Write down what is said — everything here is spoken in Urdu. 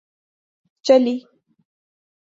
چلی